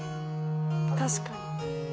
確かに。